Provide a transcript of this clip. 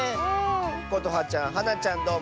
ことはちゃんはなちゃんどうもありがとう！